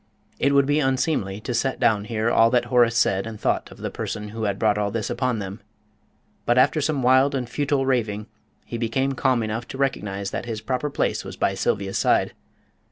It would be unseemly to set down here all that Horace said and thought of the person who had brought all this upon them, but after some wild and futile raving he became calm enough to recognise that his proper place was by Sylvia's side.